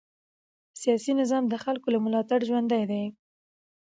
سیاسي نظام د خلکو له ملاتړ ژوندی دی